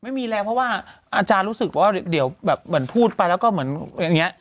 ไม่มีแรงเพราะว่าอาจารย์รู้สึกว่าเดี๋ยวแบบเหมือนพูดไปแล้วก็เหมือนอย่างนี้